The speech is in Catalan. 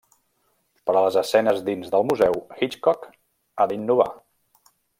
Per a les escenes dins del museu, Hitchcock ha d'innovar.